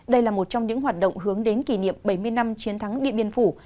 đây là một trong những hoạt động hướng đến kỷ niệm bảy mươi năm chiến thắng điện biên phủ